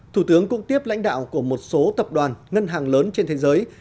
thủ tướng cũng tiếp lãnh đạo của một số tập đoàn ngân hàng lớn trên thế giới